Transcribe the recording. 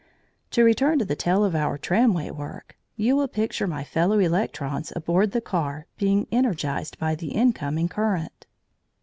To return to the tale of our tramway work, you will picture my fellow electrons aboard the car being energised by the incoming current.